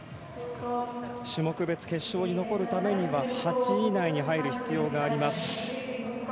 種目別決勝に残るためには８位以内に入る必要があります。